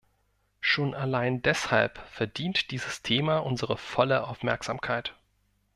Schon allein deshalb verdient dieses Thema unsere volle Aufmerksamkeit.